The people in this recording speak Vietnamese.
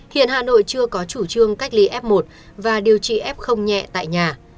hiện hà nội chưa có chủ trương cách ly f một và điều trị f nhẹ tại nhà